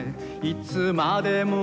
「いつまでも」